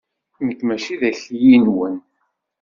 Nekk mačči d akli-nwen.